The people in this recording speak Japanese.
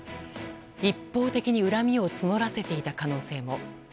一方的に恨みを募らせていた可能性も。